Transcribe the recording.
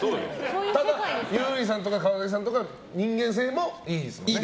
ただ優里さんとか川崎さんは人間性もいいですよね。